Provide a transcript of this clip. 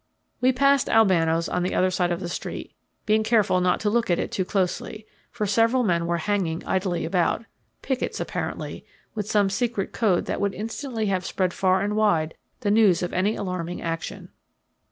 We passed Albano's on the other side of the street, being careful not to look at it too closely, for several men were hanging idly about pickets, apparently, with some secret code that would instantly have spread far and wide the news of any alarming action.